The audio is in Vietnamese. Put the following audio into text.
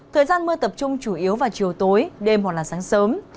thời gian mưa tập trung chủ yếu vào chiều tối đêm hoặc là sáng sớm